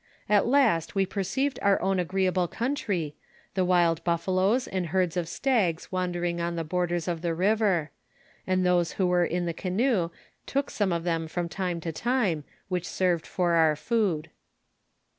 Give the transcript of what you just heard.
At last we perceived our own agreeor ble country, the wild buffaloes and herds of stags wandering on the borders of the river; and those who were in the canoe took some of them from time to time, which served for our food.